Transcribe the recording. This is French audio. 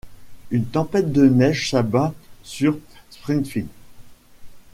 Une tempête de neige s'abat sur Springfield.